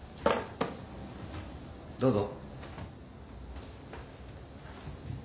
どうぞ。